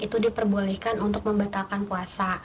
itu diperbolehkan untuk membatalkan puasa